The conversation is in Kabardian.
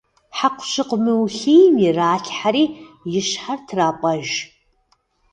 Хьэкъущыкъу мыулъийм иралъхьэри и щхьэр трапӏэж.